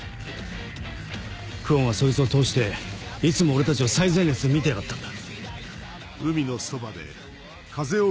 久遠はそいつを通していつも俺たちを最前列で見てやがったんだ。